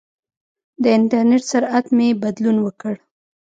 د انټرنېټ سرعت مې بدلون وکړ.